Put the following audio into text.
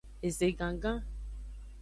Eze gangan.